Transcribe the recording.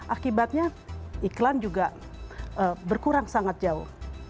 akibatnya iklan juga berkurang sangat jauh